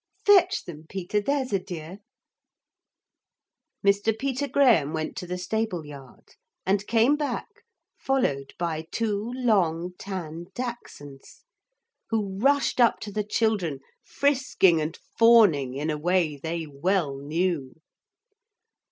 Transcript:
Fetch them, Peter, there's a dear.' Mr. Peter Graham went to the stable yard and came back followed by two long tan dachshunds, who rushed up to the children frisking and fawning in a way they well knew.